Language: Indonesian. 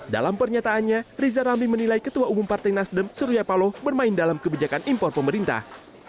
dalam pernyataannya riza ramli menilai ketua umum partai nasdem surya paloh bermain dalam kebijakan impor pemerintah